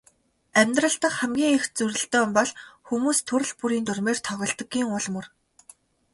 Амьдрал дахь хамгийн их зөрөлдөөн бол хүмүүс төрөл бүрийн дүрмээр тоглодгийн ул мөр.